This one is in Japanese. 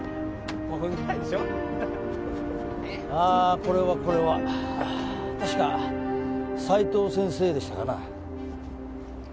これはこれは確か斉藤先生でしたかな？